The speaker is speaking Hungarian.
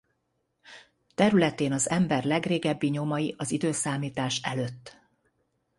Területén az ember legrégebbi nyomai az i.e.